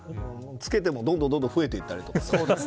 つけてもどんどん増えていったりとか。